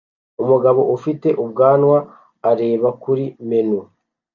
Umugabo ufite ubwanwa areba kuri menu